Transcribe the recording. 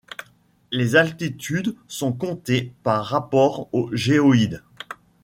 Les altitudes sont comptées par rapport au géoïde.